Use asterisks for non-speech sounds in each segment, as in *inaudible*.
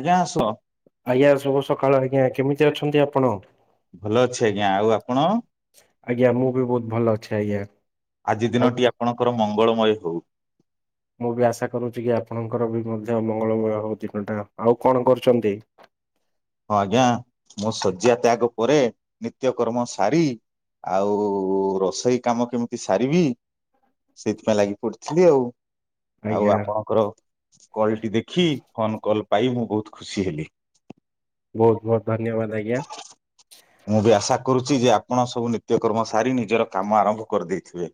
ଆଜ୍ଞା ଆସ। ଆଜ୍ଞା ଶୁଭ ସକାଳ ଆଜ୍ଞା କେମିତି ଅଛନ୍ତି ଆପଣ? ଭଲଅଛି ଆଜ୍ଞା ଆଉ ଆପଣ? ଆଜ୍ଞା ମୁଁ ବି ବହୁତ୍ ଭଲଅଛି ଆଜ୍ଞା। ଆଜି ଆଉ ଦିନଟି ଆପଣଙ୍କର ମଙ୍ଗଳମୟ ହଉ। ମୁଁ ବି ଆଶା କରୁଚି କି ଆପଣଙ୍କର ବି ମଧ୍ୟ ମଙ୍ଗଳମୟ ହଉ ଦିନଟା‌। ଆଉ କଣ କରୁଚନ୍ତି? ହଁ ଆଜ୍ଞା ମୁଁ ଶଯ୍ୟାତ୍ୟାଗ ପରେ ନିତ୍ୟକର୍ମ ସାରି ଆଉ ରୋଷେଇ କାମ କେମିତି ସାରିବି ସେଇଥିପାଇଁ ଲାଗି ପଡିଥିଲି ଆଉ। ଆଉ ଆଜ୍ଞା ଆପଣଙ୍କର କଲ୍ ଟି ଦେଖି ଫୋନ କଲ୍ ପାଇ ମୁଁ ବହୁତ୍ ଖୁସି ହେଲି। ବହୁତ୍ ବହୁତ୍ ଧନ୍ୟବାଦ ଆ ମୁଁ ବି ଆଶା କରୁଚି ଯେ ଆପଣ ସବୁ ନିତ୍ୟକର୍ମ ସାରି ନିଜର କାମ ଆରମ୍ଭ କରିଦେଇଥିବେ।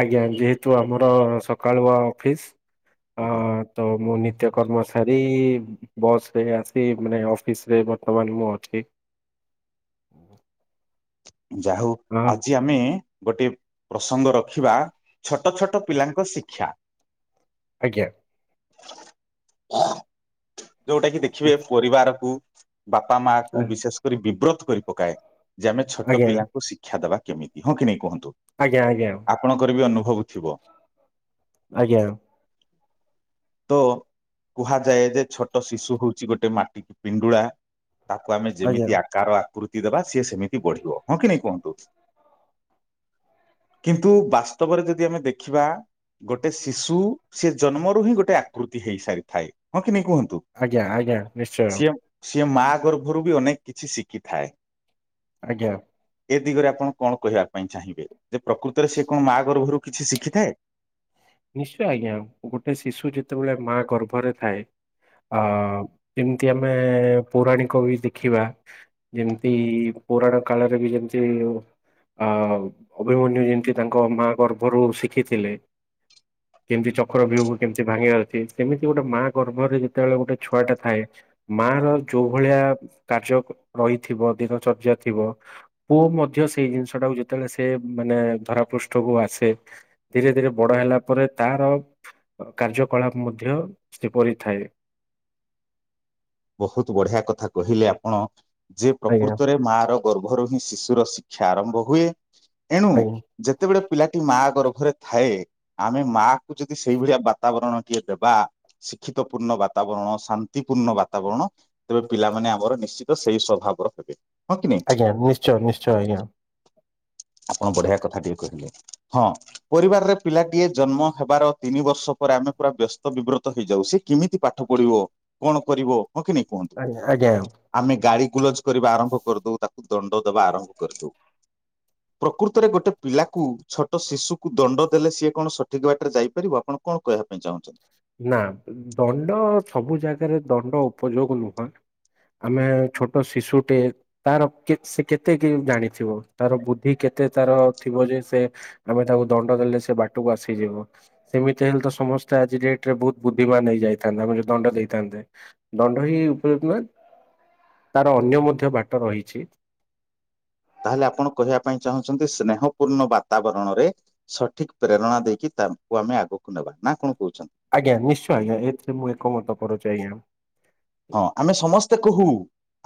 ଆଜ୍ଞା ଯେହେତୁ ଆମର ସକାଳୁଆ ଅଫିସ୍ ଅ ଆଜ୍ଞା ତ ମୁଁ ନିତ୍ୟକର୍ମ ସାରି ବସରେ ଆସି ମାନେ ଅଫିସ୍ ରେ ବର୍ତ୍ତମାନ ମୁଁ ଅଛି। ଯା ହଉ ହଁ ଆଜି ଆମେ ଗୋଟିଏ ପ୍ରସଙ୍ଗ ରଖିବା ଛୋଟ ଛୋଟ ପିଲାଙ୍କ ଶିକ୍ଷା। ଆଜ୍ଞା। *unintelligible* ଯୋଉଟା କିି ଦେଖିବେ ପରିବାରକୁ ବାପା ମା କୁ ବିଶେଷ୍ କରି ବିବ୍ରତ୍ କରି ପକାଏ। ଯେ ଆମେ ଛୋଟ ଆଜ୍ଞା ପିଲାଙ୍କୁ ଶିକ୍ଷା ଦବା କେମିତି ହଁ କି ନାଇଁ କୁହନ୍ତୁ। ଆଜ୍ଞା ଆଜ୍ଞା। ଆପଣଙ୍କର ବି ଅନୁଭବ ଥିବ। ଆଜ୍ଞା। ତୋ କୁହାଯାଏ ଯେ ଛୋଟ୍ ଛୋଟ ଶିଶୁ ହଉଛି ଗୋଟେ ମାଟିି- ପିଣ୍ଡୁଳା। ତାକୁ ଆମେ ଆଜ୍ଞା ଯେମିତି ଆକାର ଆକୃ ତି ଦେବା ସିଏ ସେମିତି ବଢିବ। ହଁ କି ନାଇ କୁହନ୍ତୁ? କିନ୍ତୁ ବାସ୍ତବରେ ଯଦି ଆମେ ଦେଖିବା ଗୋଟେ ଶିଶୁ ସେ ଜନ୍ମରୁ ହିଁ ଗୋଟେ ଆକୃତି ହେଇସାରିଥାଏ। ହଁ କି ନାଇଁ କୁହନ୍ତୁ? ଆଜ୍ଞା ଆଜ୍ଞା। ନିଶ୍ଚୟ ସିଏ, ସିଏ ମା ଗର୍ଭରୁ ବି ଅନେକ କିଛି ଶିଖିଥାଏ। ଆଜ୍ଞା। ଏ ଦିଗରେ ଆପଣ କଣ କହିବା ପାଇଁ ଚାହିଁବେ? ଯେ ପ୍ରକୃତରେ ସେ କଣ ମା ଗର୍ଭରୁ କିଛି ଶିଖିଥାଏ? ନିଶ୍ଚୟ ଆଜ୍ଞା। ଗୋଟେ ଶିଶୁ ଯେତେବେଳେ ମା ଗର୍ଭରେ ଥାଏ। ଅ ଯେମିତି ଆମେ ପୌରାଣିକ ବି ଦେଖିବା। ଯେମିତି ପୁରାଣ କାଳରେ ବି ଯେମିତି ଆ ଅଭିମନ୍ୟୁ ଯେମିତି ତାଙ୍କ ମାଆ ଗର୍ଭରୁ ଶିଖିଥିଲେ। କେମିତି ଚକ୍ର ବିୁହ କୁ କେମିତି ଭାଙ୍ଗିବାର ଅଛି। ସେମିତି ଗୋଟେ ମା ଗର୍ଭରେ ଯେତେବେଳେ ଗୋଟେ ଛୁଆଟେ ଥାଏ ମା ର ଯୋଉ ଭଳିଆ କାର୍ଯ୍ୟ ରହିଥିବ, ଦିନଚର୍ଯ୍ୟା ଥିବ ପୁଅ ମଧ୍ୟ ସେଇ ଜିନିଷ ଟାକୁ ଯେତେବେଳେ ସେ ମାନେ ଧରା ପୃଷ୍ଠକୁ ଆସେ, ଧୀରେ ଧୀରେ ବଡ ହେଲା ପରେ ତାର କାର୍ଯ୍ୟକଳାପ ମଧ୍ୟ ସେପରି ଥାଏ। ବହୁତ ବଢିଆ କଥା କହିଲେ ଆପଣ, ଯେ ଆଜ୍ଞା ପ୍ରକୃତ ରେ ମା ର ଗର୍ଭରୁ ହିଁ ଶିଶୁର ଶିକ୍ଷା ଆରମ୍ଭ ହୁଏ। ଏଣୁ ଆଜ୍ଞା ଯେତେବେଳେ ପିଲାଟି ମା ଗର୍ଭରେ ଥାଏ, ଆମେ ମା କୁ ଯଦି ସେଇଭଳିଆ ବାତାବରଣ ଟିଏ ଦେବା, ଶିକ୍ଷିତ ପୂର୍ଣ୍ଣ ବାତାବରଣ, ଶାନ୍ତିପୂର୍ଣ୍ଣ ବା ବାତାବରଣ ତେବେ ପିଲାମାନେ ଆମର ନିଶ୍ଚିତ ସେଇ ସ୍ଵଭାବର ହେବେ। ହଁ କି ନାଇଁ? ଆଜ୍ଞା, ନିଶ୍ଚୟ ନିଶ୍ଚୟ ଆଜ୍ଞା। ଆପଣ ବଢିଆ କଥା ଟିଏ କହିଲେ। ହଁ, ପରିବାରରେ ପିଲାଟିଏ ଜନ୍ମ ହେବାର ତିନି ବର୍ଷ ପରେ ଆମେ ପୁରା ବ୍ୟସ୍ତ ବିବ୍ରତ ହେଇଯାଉ। ସେ, କିମିତି ପାଠ ପଢିବ କଣ କରିବ? ହଁ କି ନାଇଁ? କୁହନ୍ତୁ? ଆଜ୍ଞା ଆଜ୍ଞା। ଆମେ ଗାଳି ଗୁଲଜ କରିବା ଆରମ୍ଭ କରିଦଉ। ତାକୁ ଦଣ୍ଡ ଦବା ଆରମ୍ଭ କରିଦଉ। ପ୍ରକୃତରେ ଗୋଟେ ପିଲାକୁ ଛୋଟ ଶିଶୁକୁ ଦଣ୍ଡ ଦେଲେ ସିଏ କଣ ସଠିକ ବାଟରେ ଯାଇପାରିବ? ଆପଣ କଣ କହିବା ପାଇଁ ଚାହୁଁଛନ୍ତି? ନା ଦଣ୍ଡ ସବୁ ଜାଗାରେ ଦଣ୍ଡ ଉପଯୋଗ ନୁହଁ। ଆମେ ଛୋଟ ଶିଶୁଟେ, ତାର କେ ସେ କେତେ କି ଜାଣିଥିବ ତାର ବୁଦ୍ଧି କେତେ ତାର ଥିବ ଯେ ସେ ଆମେ ତାକୁ ଦଣ୍ଡ ଦେଲେ ସେ ବାଟକୁ ଆସିଯିବ। ସେମିତି ହେଲେ ତ ସମସ୍ତେ ଆଜି ଯା ରେ ବହୁତ ବୁଦ୍ଧିମାନ ହେଇ ଯାଇଥାନ୍ତେ। ଆମେ ଯଦି ଦଣ୍ଡ ଦେଇଥାନ୍ତେ। ଦଣ୍ଡ ହି ଉପଯୁକ୍ତ ନୁହେଁ। ତାର ଅନ୍ୟ ମଧ୍ୟ ବାଟ ରହିଛି। ତାହେଲେ ଆପଣ କହିବା ପାଇଁ ଚାହୁଁଛନ୍ତି, ସ୍ନେହ ପୂର୍ଣ୍ଣ ବାତାବରଣରେ ସଠିକ ପ୍ରେରଣା ଦେଇକି ତାଙ୍କୁ ଆମେ ଆଗକୁ ନେବା। ନା କଣ କହୁଛନ୍ତି? ଆଜ୍ଞା ନିଶ୍ଚୟ ଆଜ୍ଞା। ଏଥିରେ ମୁଁ ଏକମତ କରୁଛି ଆଜ୍ଞା। ହଁ, ଆମେ ସମସ୍ତେ କହୁ,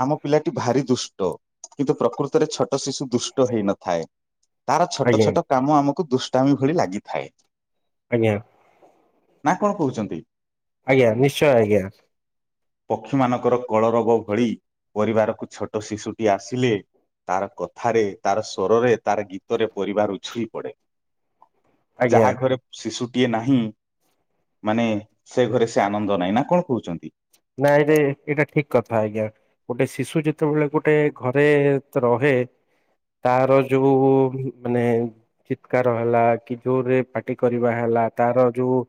ଆମ ପିଲାଟି ଭାରି ଦୁଷ୍ଟ। କିନ୍ତୁ ପ୍ରକୃତରେ ଛୋଟ ଶିଶୁ ଦୁଷ୍ଟ ହେଇନଥାଏ। ତାର ଛୋଟ ଆଜ୍ଞା। ଛୋଟ କାମ ଆମକୁ ଦୁଷ୍ଟାମି ଭଳି ଲାଗିଥାଏ। ଆଜ୍ଞା। ନା କଣ କହୁଛନ୍ତି? ଆଜ୍ଞା ନିଶ୍ଚୟ ଆଜ୍ଞା। ପକ୍ଷୀ ମାନଙ୍କର କଳରୋଗ ଭଳି ପରିବାରକୁ ଛୋଟ ଶିଶୁଟି ଆସିଲେ ତାର କଥାରେ ତାର ସ୍ୱରରେ ତାର ଗୀତରେ ପରିବାର ଉଛୁଳି ପଡେ। ଆଜ୍ଞା ଯାହା ଘରେ ଶିଶୁଟିଏ ନାହିଁ ମାନେ ସେ ଘରେ ସେ ଆନନ୍ଦ ନାହିଁ ନା କଣ କହୁଛନ୍ତି? ନାଇଁ ରେ ଏଇଟା ଠିକ୍ କଥା ଆଜ୍ଞା। ଗୋଟେ ଶିଶୁ ଯେତେବେଳେ ଗୋଟେ ଘରେ ରହେ ତାର ଯୋଉ ମାନେ ଚିତ୍କାର ହେଲା କି ଯୋର ରେ ପାଟି କରିବା ହେଲା ତାର ଯୋଉ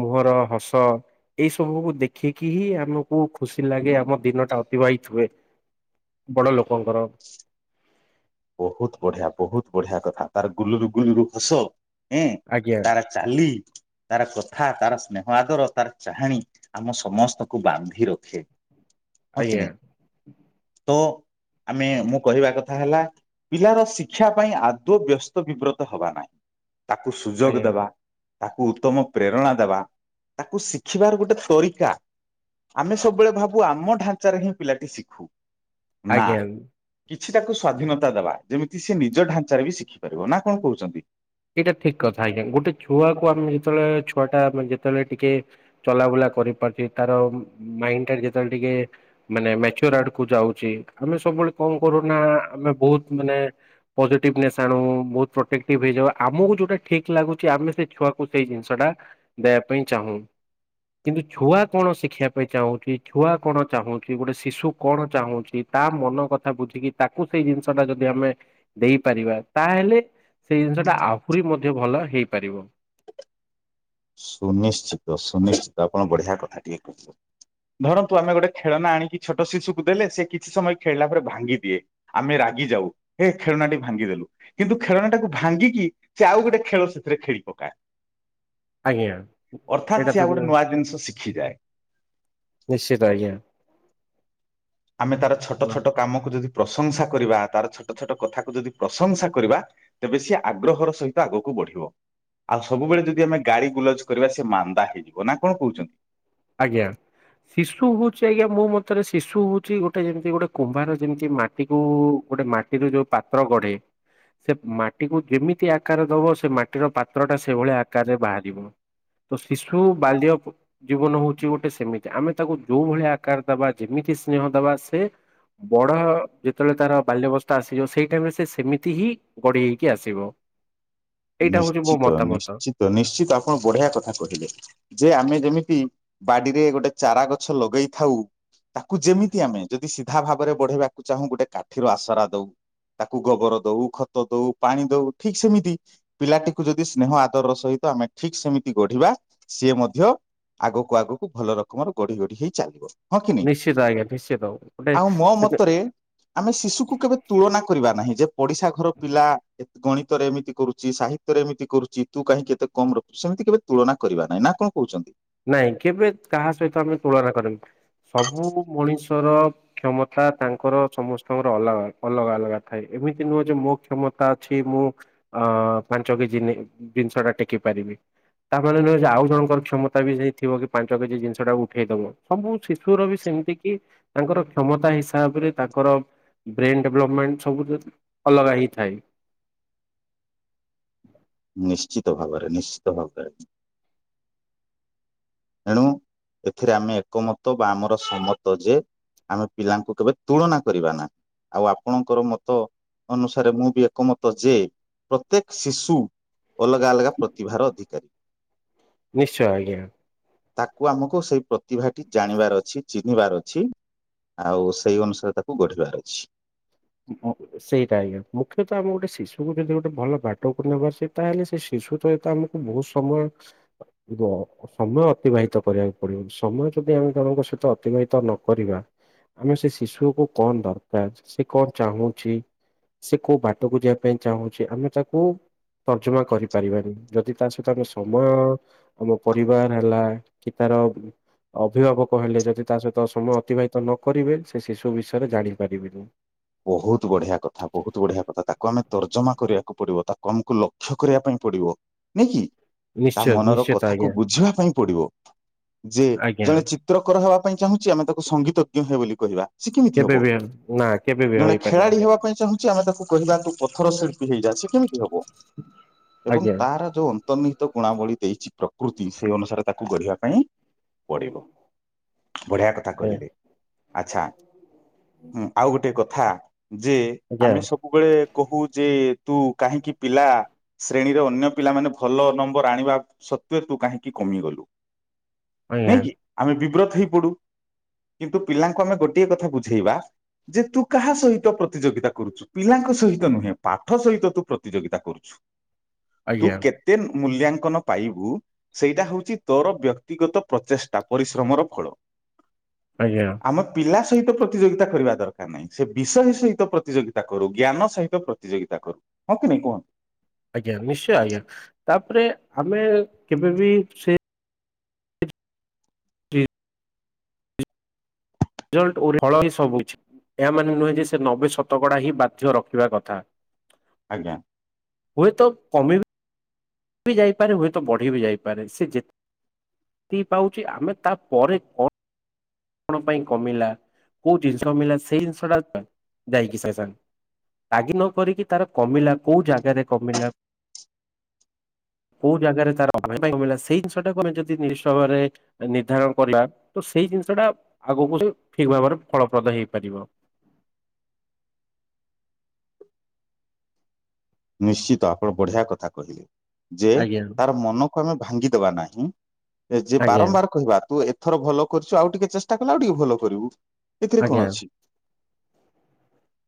ମୁହଁର ହସ ଏଇ ସବୁକୁୁ ଦେଖିକି ହିଁ ଆ ମୁକୁ ଖୁସି ଲାଗେ ଆମ ଦିନ ଟା ଅତିବାହିତ୍ ହୁଏ ବଡ ଲୋକଙ୍କର। ବହୁତ ବଢିଆ ବହୁତ ବଢିଆ କଥା। ତାର ଗୁଲୁରୁ ଗୁଲୁରୁ ହସ ଉଁ ଆଜ୍ଞା ତାର ଚାଲି। ତାର କଥା, ତାର ସ୍ନେହ ଆଦର, ତାର ଚାହାଣୀ ଆମ ସମସ୍ତକୁ ବାନ୍ଧି ରଖେ। ହଁ କି ଆଜ୍ଞା ନାଇଁ। ତ ଆମେ ମୁଁ କହିବା କଥା ହେଲା ପିଲାର ଶିକ୍ଷା ପାଇଁ ଆଦୌ ବ୍ୟସ୍ତ ବିବ୍ରତ ହବା ନାଇଁ। ତାକୁ ସୁଯୋଗ ଆଜ୍ଞା ଦବା। ତାକୁ ଉତ୍ତମ ପ୍ରେରଣା ଦେବା। ତାକୁ ଶିଖିବାର ଗୋଟେ ତରିକା। ଆମେ ସବୁବେଳେ ଭାବୁ ଆମ ଢାଞ୍ଚାରେ ହିଁ ପିଲାଟି ଶିଖୁ। ନାଁ ଆଜ୍ଞା। କିଛି ତାକୁ ସ୍ଵାଧୀନ ତା ଦବା। ଯେମିତି ସେ ନିଜ ଢାଞ୍ଚାରେ ବି ଶିଖିପାରିବ ନା କଣ କହୁଛନ୍ତି? ଏଇଟା ଠିକ୍ କଥା ଆଜ୍ଞା। ଗୋଟେ ଛୁଆକୁ ଆମେ ଯେତେବେଳେ ଛୁଆଟା ମା ଯେତେବେଳେ ଟିକେ ଚଲାବୁଲା କରିପାରୁଛି ତାର ମାଇଣ୍ଡ କେତେବେଳେ ଟିକେ ମାନେ ମେଚୋର୍ ଆଡକୁ ଯାଉଛି ଆମେ ସବୁବେଳେ କଣ କରୁନା ଆମେ ବହୁତ ମାନେ ପଜିଟିଭନେସ୍ ଆଣୁ, ବହୁତ ପ୍ରୋଟେକ୍ଟିଭ୍ ହେଇଯାଉ ଆମୁକୁ ଯୋଉଟା ଠିକ୍ ଲାଗୁଛି ଆମେ ସେ ଛୁଆକୁ ସେଇ ଜିନିଷ ଟା ଦେବା ପାଇଁ ଚାହୁଁ। କିନ୍ତୁ ଛୁଆ କଣ ଶିଖିଆ ପାଇଁ ଚାହୁଁଚି। ଛୁଆ କଣ ଚାହୁଁଚି ଗୋଟେ ଶିଶୁ କଣ ଚାହୁଁଚି ତା ମନ କଥା ବୁଝିକି ତାକୁ ସେଇ ଜିନିଷ ଟା ଯଦି ଆମେ ଦେଇପାରିବା ତାହେଲେ ସେଇ ଜିନିଷ ଟା ଆହୁରି ମଧ୍ୟ ଭଲ ହେଇପାରିବ। ସୁନିଶ୍ଚିତ ସୁନିଶ୍ଚିତ ଆପଣ ବଢି଼ଆ କଥା ଟିଏ କହିଚନ୍ତି। ଧରନ୍ତୁ ଆମେ ଗୋଟେ ଖେଳନା ଆଣିକି ଛୋଟ ଶିଶୁକୁ ଦେଲେ ସେ କିଛି ସମୟ ଖେଳିଲା ପରେ ଭାଙ୍ଗିଦିଏ। ଆମେ ରାଗିଯାଉ ହେ ଖେଳନାଟି ଭାଙ୍ଗିଦେଲୁ। କିନ୍ତୁ ଖେଳନାଟାକୁ ଭାଙ୍ଗିକି ସେ ଆଉ ଗୋଟେ ଖେଳ ସେଥିରେ ଖେଳି ପକାଏ। ଆଜ୍ଞା। ଅର୍ଥାତ୍ ଏଇଟା ସେ ତ ଆଉ ଗୋଟେ ନୂଆ ଜିନିଷ ଶିଖିଯାଏ। ନିଶ୍ଚିତ ଆଜ୍ଞା। ଆମେ ତାର ଛଟ ଛଟ କାମକୁ ଯଦି ପ୍ରଶଂସା କରିବା ତାର ଛଟ ଛଟ କଥାକୁ ଯଦି ପ୍ରଶଂସା କରିବା ତେବେ ସିଏ ଆଗ୍ରହର ସହିତ ଆଗକୁ ବଢି଼ବ। ଆଉ ସବୁବେଳେ ଯଦି ଆମେ ଗାଳି ଗୁଲଜ୍ କରିବା ସେ ମାନ୍ଦା ହେଇଯିବ ନା କଣ କଉଚନ୍ତି? ଆଜ୍ଞା। ଶିଶୁ ହଉଚି ଆଜ୍ଞା ମୋ ମତରେ ଶିଶୁ ହଉଚି ଗୋଟେ ଯେମିତି ଗୋଟେ କୁମ୍ଭାର ଯେମିତି ମାଟି କୁ ଗୋଟେ ମା ଟିରୁ ଯୋଉ ପାତ୍ର ଗଢ଼େ ସେ ମାଟିକୁ ଯେମିତି ଆକାର ଦବ ସେ ମାଟିର ପାତ୍ର ଟା ସେଭଳିଆ ଆକାରରେ ବାହାରିବ। ତ ଶିଶୁ ବାଲ୍ୟ ପ ଜୀବନ ହଉଚି ଗୋଟେ ସେମିତି। ଆମେ ତାକୁ ଯୋଉ ଭଳିଆ ଆକାର୍ ଦେବା ଯେମିତି ସ୍ନେହ ଦବା ସେ ବଡ଼ ଯେତେବେଳେ ତାର ବାଲ୍ୟବସ୍ଥା ଆସିଯିବ ସେଇ ଟାଇମ୍ ରେ ସେ ସେମିତି ହିଁ ଗଢ଼ି ହେଇକି ଆସିବ ଏଇଟା ହଉଛି ମୋ ମତାମତ। ତ ନିଶ୍ଚିତ ଆପଣ ବଢି଼ଆ କଥା କରିବେ। ଯେ ଆମେ ଯେମିତି ବାଡିରେ ଗୋଟେ ଚାରା ଗଛ ଲଗେଇଥାଉ। ତାକୁ ଯେମିତି ଆମେ ଯଦି ସିଧା ଭାବରେ ବଢ଼େଇବାକୁ ଚାହୁଁ। ଗୋଟେ କାଠିର ଆସରା ଦଉ। ତାକୁ ଗୋବର ଦୋଉ ଖତ ଦୋଉ ପାଣି ଦୋଉ ଠିକ୍ ସେମିତି। ପିଲାଟିକୁ ଯଦି ସ୍ନେହ ଆଦରର ସହିତ ଆମେ ଠିକ୍ ସେମିତି ଗଢ଼ିବା। ସିଏ ମଧ୍ୟ ଆଗକୁ ଆଗକୁ ଭଲ ରକମର ଗଢ଼ି ଗଢ଼ି ହେଇ ଚାଲିବ। ହଁ କି ନାଇଁ? ନିଶ୍ଚିତ ଆଜ୍ଞା ନିଶ୍ଚିତ ଗୋଟେ ଆଉ ମୋ ସେତେ ମତରେ ଆମେ ଶିଶୁକୁ କେବେ ତୁଳନା କରିବା ନାହିଁ। ଯେ ପଡି଼ଶା ଘର ପିଲା ଗଣିତରେ ଏମିତି କରୁ ସିଏ ସାହିତ୍ୟରେ ଏମିତି କରୁଚି। ତୁ କାହିଁକି କେତେ କମ୍ ରଖୁଛୁ। ସେମିତି କେବେ ତୁଳନା କରିବା ନାଇଁ ନାଁ କଣ କହୁଚନ୍ତି। ନାଇଁ କେବେ କାହା ସହିତ ଆମେ ତୁଳନା କରିବୁନାହିଁ। ସବୁ ମଣିଷର କ୍ଷମତା ତାଙ୍କର ଚମସ୍ତଙ୍କର ଅଲଗା ଅଲଗା ଥାଏ। ଏମିତି ନୁହଁ ଯେ ମୋ କ୍ଷମତା ଅଛି ମୁଁ ଆ ପାଞ୍ଚ କେଜି ଜିନ୍ସ ଟା ଟେକି ପାରିବି। ତାମାନେ ନୁହଁ ଯେ ଆଉ ଜଣଙ୍କର କ୍ଷମ ତା ବି ସେଇ ଥିବ କି ପାଞ୍ଚ କେଜି ଜିନ୍ଷ ଟା ଉଠେଇ ଦବ। ସବୁ ଥିଶୁର ବି ସେତି କି ତାଙ୍କର କ୍ଷମତା ହିସାବ୍ରେ ତାଙ୍କର ବ୍ରେନ୍ ଡେଭ୍ଲପ୍ମେଣ୍ଟ୍ ସବୁ ଯ ଅଲଗା ହେଇଥାଏ। ନିଶ୍ଚିତ ଭାବରେ ନିଶ୍ଶିତ ଭାବରେ। ଏଣୁ ଏଥିରେ ଆମେ ଏକମତ ବା ଆମର ସମତ ଯେ ଆମେ ପିଲାଙ୍କୁ କେବେ ତୁଳନା କରିବା ନା। ଆଉ ଆପଣଙ୍କର ମତ ଅନୁସାରେ ମୁଁ ବି ଏକମତ ଯେ ପ୍ରତେକ୍ ଶିଶୁ ଅଲଗା ଅଲଗା ପ୍ରତିଭାର ଅଧିକାରୀ। ନିଶ୍ଚୟ ଆଜ୍ଞା। ତାକୁ ଆମକୁ ସେଇ ପ୍ରତିଭାଟି ଜାଣିବାର୍ ଅଛି। ଚି ଚିନ୍ହିବାର ଅଛି। ଆଉ ସେଇ ଅନୁସାରେ ତାକୁ ଗଢ଼ିବାର୍ ଅଛି। *inaudible* ସେଇଟା ଆଜ୍ଞା। ମୁଖ୍ୟତ ଆମେ ଗୋଟେ ଶିଶୁକୁ ଯଦି ଗୋଟେ ଭଲ ବାଟକୁ ନେବା। ସେ ତାହେଲେ ସେ ଶିଶୁ ସହିତ ଆମକୁ ବହୁତ ସମୟ ର ସମୟ ଅତିବାହିତ କରିଆକୁ ପଡ଼ିବ। ସମୟ ଯଦି ଆମେ ଜଣଙ୍କ ସହିତ ଅତିବାହିତ ନ କରିବା। ଆମେ ସେ ଶିଶୁ କୁ କଁ ଦର୍କାର୍ ସେ କଣ ଚାହୁଁଛି ସେ କୋଉ ବାଟକୁ ଯିବା ପାଇଁ ଚାହୁଁଛି। ଆମେ ତାକୁ ତର୍ଜମା କରିପାରିବାନି। ଯଦି ତା ସହିତ ଆମେ ସମୟ ଆମ ପରିବାର ହେଲା। କି ତାର ଅଭିଭାବକ ହେଲେ ଯଦି ତା ସହିତ ସମୟ ଅତିବାହିତ ନ କରିବେ। ସେ ଶିଶୁ ବିଷୟରେ ଜାଣିପାରିଵେନି। ବହୁତ ବଢିଆ କଥା ବହୁତ ବଢିଆ କଥା। ତାକୁ ଆମେ ତର୍ଜମା କରିବାକୁ ପଡ଼ିବ। ତାକୁ ଆମକୁ ଲକ୍ଷ୍ୟ କରିବା ପାଇଁ ପଡ଼ିବ। ନାଇକି? ତା ନିଶ୍ଚୟ ମନର ନିଶ୍ଚିତ କଥାକୁ ଆଜ୍ଞା ବୁଝିବା ପାଇଁ ପଡ଼ିବ ଯେ ଆଜ୍ଞା ଜଣେ ଚିତ୍ରକର ହେବା ପାଇଁ ଚାହୁଁଛି। ଆମେ ତାକୁ ସଙ୍ଗୀତଜ୍ଞ ହେ ବୋଲି କହିବା। ସେ କେମିତି ହବ? କେବେ ବି ନା କେବେ ବି ଜଣେ ଖେଳାଳି ହେଇପାରିବିନି ହେବା ଆମେ। ପାଇଁ ଚାହୁଁଛି। ଆମେ ତାକୁ କହିବା ତୁ ପଥର ଶିଳ୍ପୀ ହେଇଯା। ସେ କେମିତି ହବ। ଏବଂ ଆଜ୍ଞା ତାର ଯୋଉ ଅନ୍ତର୍ନିହିତ ଗୁଣାବଳି ଦେଇଛି ପ୍ରକୃତି। ସେଇ ଅନୁସାରେ ତାକୁ ଗଢିବା ପାଇଁ ପଡ଼ିବ ବଢିଆ କଥା କହିଲେ। ଆଚ୍ଛା ହୁଁ ଆଉ ଗୋଟେ କଥା। ଯେ ଆଜ୍ଞା ଆମେ ସବୁ ସବୁବେଳେ କହୁ ଯେ ତୁ କାହିଁକି ପିଲା ଶ୍ରେଣୀର ଅନ୍ୟ ପିଲାମାନେ ଭଲ ନମ୍ବର ଆଣିବା ସତ୍ତ୍ୱେ ତୁ କାହିଁକି କମିଗଲୁ? ଆଜ୍ଞା ନାଇଁ କି ଆମେ ବିବ୍ରତ ହେଇ ପଡ଼ୁ। କିନ୍ତୁ ପିଲାଙ୍କୁ ଆମେ ଗୋଟିଏ କଥା ବୁଝେଇବା। ଯେ ତୁ କାହା ସହିତ ପ୍ରତିଯୋଗିତା କରୁଛୁ? ପିଲାଙ୍କ ସହିତ ନୁହେଁ ପାଠ ସହିତ ତୁ ପ୍ରତିଯୋଗିତା କରୁଛୁ ତୁ ଆଜ୍ଞା କେତେ ଦିନ ମୂଲ୍ୟାଙ୍କନ ପାଇବୁ। ସେଇଟା ହେଉଚି ତୋର ବ୍ୟକ୍ତିଗତ ପ୍ରଚେଷ୍ଟା ପରିଶ୍ରମର ଫଳ। ଆଜ୍ଞା। ଆମ ପିଲା ସହିତ ପ୍ରତିଯୋଗିତା କରିବା ଦରକାର। ଡରକାର୍ ନାଇଁ ସେ ବିଷୟ ସହିତ ପ୍ରତିଯୋଗିତା କରୁ ଜ୍ଞାନ ସହିତ ପ୍ରତିଯୋଗିତା କରୁ ହଁ କି ନାଇଁ କୁହ? ଆଜ୍ଞା ନିଶ୍ଚୟ ଆଜ୍ଞା ତାପରେ ଆମେ କେବେ ବି ସେ ରେଜଲ୍ଟ ଫଳ ହିଁ ସବୁକିଛି। ଏହାମାନେେ ନୁହେଁ ଯେ ସେ ନବେ ଶତକଡ଼ା ହିଁ ବାଧ୍ୟ ରଖିବା କଥା। ଆଜ୍ଞା। ହୁଏ ତ କମି ବି ଯାଇପାରେ ହୁଏତ ବଢ଼ି ବି ଯାଇପାରେ ସେ ଯେତେ ପାଉଛି ଆମେ ତାପରେ ପ କଣ ପାଇଁ କମିଲା କୋଉ ଜିନିଷ ମିଲା ସେଇ ଜିନିଷଟା ଯାଇକି ସେ ସାଙ୍ଗ ରାଗି ନ କରିକି ତାର କମିଲା କୋଉ ଜାଗାରେ କମିଲା। କୋଉ ଜାଗାରେ ତାର କମିଲା ସେଇ ଜିନିଷଟାକୁ ଆମେ ଯଦ ନିଶ ସମୟରେ ନିର୍ଦ୍ଧାରଣ କରିବା ତ ସେଇ ଜିନିଷ ଟା ଆଗକୁ ସେ ଠିକ୍ ଭାବରେ ଫଳପ୍ରଦ ହେଇପାରିବ। ନିଶ୍ଚିତ ଆପଣ ବଢିଆ କଥା କହିଲେ ଯେ ଆଜ୍ଞା ତାର ମନକୁ ଆମେ ଭାଙ୍ଗିଦବା ନାହିଁ। ଏ ଯେ ଆଜ୍ଞା ବାରମ୍ବାର କହିବା ତୁ ଏଥର ଭଲ କରିଛୁ ଆଉ ଟିକେ ଚେଷ୍ଟା କଲେ ଆଉ ଟିକେ ଭଲ କରିବୁ। ଏଥିରେ କଣ ଅଛି ଆଜ୍ଞା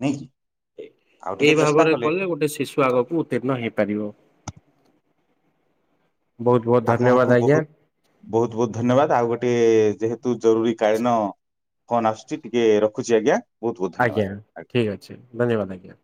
ନାଇଁକି। ଆଉ ଏଇ ଟିକେ ଚେଷ୍ଟା ଭାବରେ କଲେ ଗୋଟେ ଶିଶୁ ଆଗକୁ ଉତ୍ତୀର୍ଣ୍ଣ ହେଇପାରିବ। ବହୁତ ବହୁତ ଆପଣଙ୍କୁ ଧନ୍ୟବାଦ ଆଜ୍ଞା ବହୁତ ବହୁତ ବହୁତ ଧନ୍ୟବାଦ ଆଉ ଗୋଟେ ଯେହେତୁ ଜରୁରୀ କଳୀନ କଣ ଆସୁଛି ଟିକେ ରଖୁଛି ଆଜ୍ଞା। ବହୁତ ବହୁତ ଆଜ୍ଞା ଧନ୍ୟବାଦ। ଠିକ୍ ଅଛି ଧନ୍ୟବାଦ ଆଜ୍ଞା।